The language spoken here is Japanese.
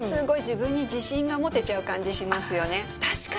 確かに。